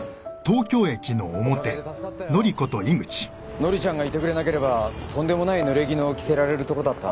乃里ちゃんがいてくれなければとんでもない濡れ衣を着せられるところだった。